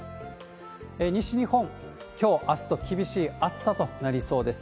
西日本、きょう、あすと厳しい暑さとなりそうです。